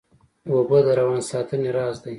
اوبه د روان ساتنې راز دي